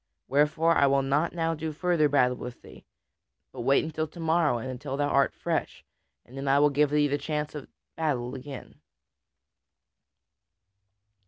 Wherefore I will not now do further battle with thee. But wait until to morrow and until thou art fresh, and then I will give thee the chance of battle again."